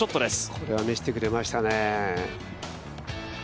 これは見せてくれましたね。